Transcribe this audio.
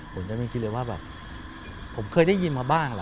ผมจะไม่คิดเลยว่าผมเคยได้ยินมาบ้าง